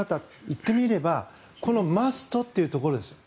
言ってみればマストというところですよ。